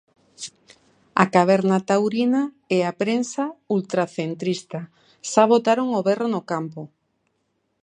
A caverna taurina e a prensa "ultracentrista" xa botaron o berro no campo.